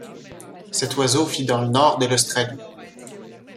Cet oiseau vit dans le Nord de l'Australie.